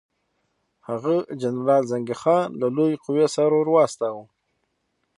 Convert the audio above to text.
هغه جنرال زنګي خان له لویې قوې سره ورواستاوه.